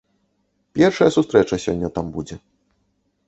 Першая сустрэча сёння там будзе.